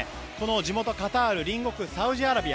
地元カタール隣国サウジアラビア